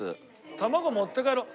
卵持って帰ろう。